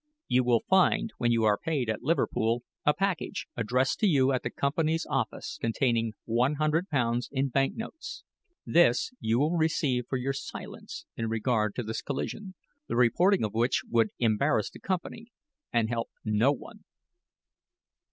You will find, when you are paid at Liverpool, a package addressed to you at the company's office containing one hundred pounds in banknotes. This, you will receive for your silence in regard to this collision the reporting of which would embarrass the company and help no one."